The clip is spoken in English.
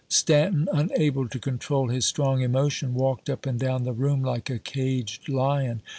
Stanton, unable to control his strong emotion, walked up and down the room like a caged lion.